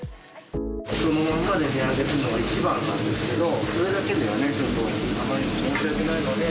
そのままで値上げするのが一番なんですけど、それだけではね、ちょっとあまりにも申し訳ないので。